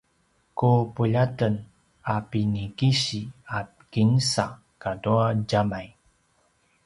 ku puljaten a pinikisi a kinsa katua djamay